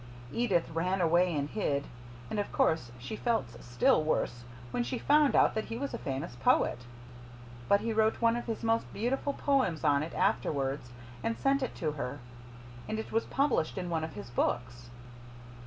Edith ran away and hid; and of course she felt still worse when she found out that he was a famous poet. But he wrote one of his most beautiful poems on it afterwards and sent it to her and it was published in one of his books."